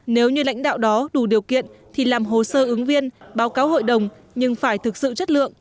nếu như lãnh đạo đó đủ điều kiện thì làm hồ sơ ứng viên báo cáo hội đồng nhưng phải thực sự chất lượng